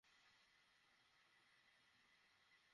ওরা কখনই তোমার কাছে পৌঁছতে পারবে না।